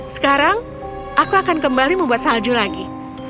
sekarang aku akan kembali membuat salju lagi